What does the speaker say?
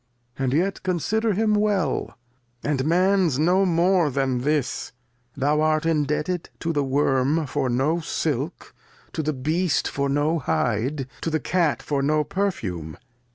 And yet consider him well, and Man's no more than this ; thou art indebted to the Worm for no Silk, to the Beast for no Hide, to the Cat for no Perfume.